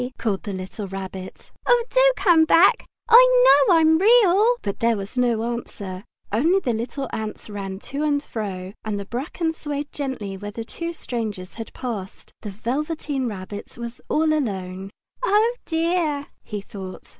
called the little Rabbit. "Oh, do come back! I know I am Real!" But there was no answer, only the little ants ran to and fro, and the bracken swayed gently where the two strangers had passed. The Velveteen Rabbit was all alone. "Oh, dear!" he thought.